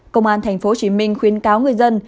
công an tp hcm khuyến cáo người dân